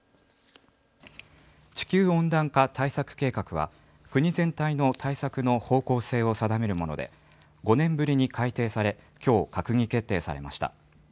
地球温暖化対策計画は、国全体の対策の方向性を定めるもので、５年ぶりに改定され、きょう閣議決定されました。